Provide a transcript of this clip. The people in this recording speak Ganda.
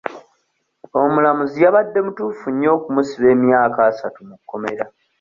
Omulamuzi yabadde mutuufu nnyo okumusiba emyaka asatu mu kkomera.